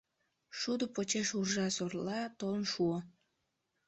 Шудо почеш уржа-сорла толын шуо.